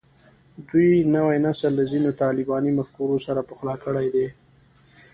دوی نوی نسل له ځینو طالباني مفکورو سره پخلا کړی دی